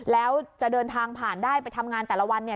แล้วจะเดินทางผ่านได้ไปทำงานแต่ละวันเนี่ย